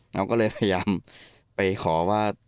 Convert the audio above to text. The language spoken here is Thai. เราก็เลยพยายามไปขอว่า